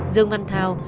dương văn thao